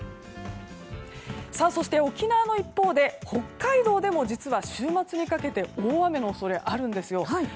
そして、沖縄の一方で北海道でも実は週末にかけて大雨の恐れがあります。